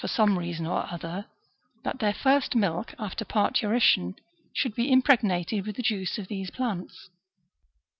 some reason or other, that their first milk, after parturition, should be impregnated with the juice of these plants.